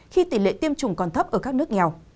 khi tỷ lệ tiêm chủng còn thấp ở các nước nghèo